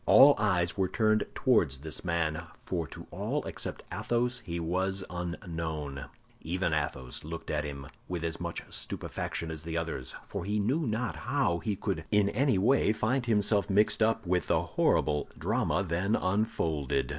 All eyes were turned towards this man—for to all except Athos he was unknown. Even Athos looked at him with as much stupefaction as the others, for he knew not how he could in any way find himself mixed up with the horrible drama then unfolded.